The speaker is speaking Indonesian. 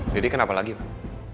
riri kenapa lagi pak